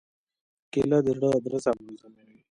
کېله د زړه درزا منظموي.